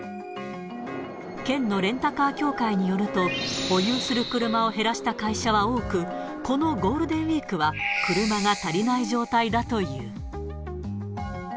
県のレンタカー協会によると、保有する車を減らした会社は多く、このゴールデンウィークは車が足りない状態だという。